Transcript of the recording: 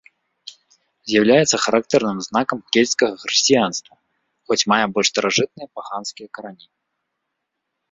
З'яўляецца характэрным знакам кельцкага хрысціянства, хоць мае больш старажытныя паганскія карані.